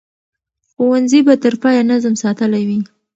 ښوونځي به تر پایه نظم ساتلی وي.